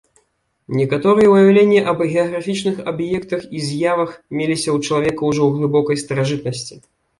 Некаторыя ўяўленні аб геаграфічных аб'ектах і з'явах меліся ў чалавека ўжо ў глыбокай старажытнасці.